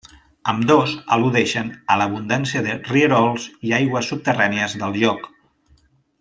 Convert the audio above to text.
Ambdós al·ludeixen a l'abundància de rierols i aigües subterrànies del lloc.